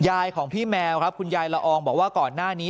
ของพี่แมวครับคุณยายละอองบอกว่าก่อนหน้านี้